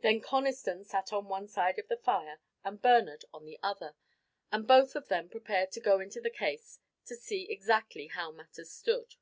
Then Conniston sat on one side of the fire and Bernard on the other, and both of them prepared to go into the case and to see exactly how matters stood.